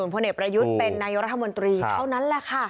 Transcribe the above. จริงแล้ว